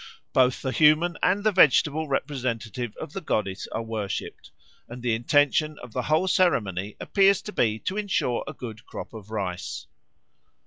Both the human and the vegetable representative of the goddess are worshipped, and the intention of the whole ceremony appears to be to ensure a good crop of rice.